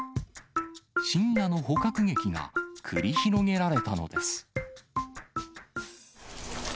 深夜の捕獲劇が繰り広げられたのです。